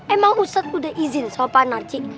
emang ustadz udah izin sama pak narcik